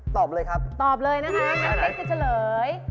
ตอบเลยครับตอบเลยนะคะงั้นเป๊กจะเฉลย